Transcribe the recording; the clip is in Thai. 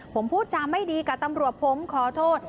ผมพูดจาไม่ดีกับตำรวจผมขอโทษ